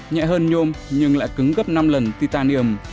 nhẹ hơn nhôm nhưng lại cứng gấp năm lần titanium